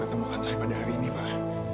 yang menemukan saya pada hari ini pak